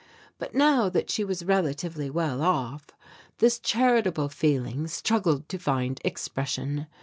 But now that she was relatively well off, this charitable feeling struggled to find expression.